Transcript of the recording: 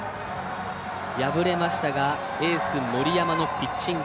敗れましたがエース森山のピッチング。